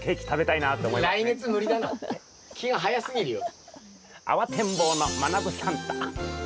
気が早すぎるよ。